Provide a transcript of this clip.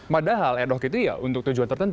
padahal ad hoc itu ya untuk tujuan tertentu